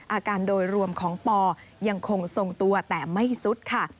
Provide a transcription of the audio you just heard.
อาการโดยรวมของปอยังคงทรงตัวแต่ไม่สุดค่ะ